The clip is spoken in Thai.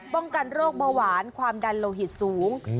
ป้องกันโรคเบาหวานความดันโลหิตสูง